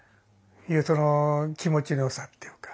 その気持ちのよさっていうか。